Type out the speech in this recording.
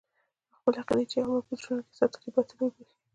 او خپلې عقيدې چې يو عمر يې په زړونو کښې ساتلې دي باطلې وبريښي.